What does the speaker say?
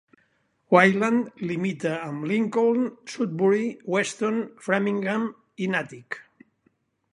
Wayland limita amb Lincoln, Sudbury, Weston, Framingham i Natick.